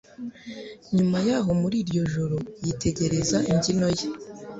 nyuma yaho muri iryo joro yitegereza imbyino ye